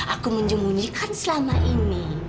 aku menyembunyikan selama ini